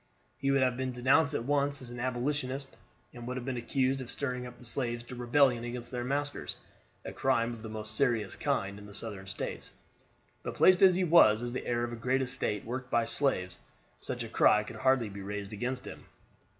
He would have been denounced at once as an Abolitionist, and would have been accused of stirring up the slaves to rebellion against their masters; a crime of the most serious kind in the Southern States. But placed as he was, as the heir of a great estate worked by slaves, such a cry could hardly be raised against him.